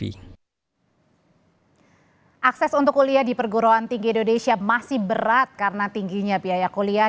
akses untuk kuliah di perguruan tinggi indonesia masih berat karena tingginya biaya kuliah